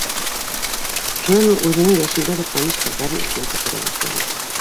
Шунан ул үҙенең йәшендәге таныш ҡыҙҙарын иҫенә төшөрә башланы.